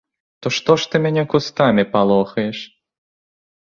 То што ж ты мяне кустамі палохаеш?